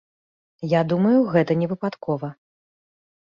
Я думаю, гэта не выпадкова.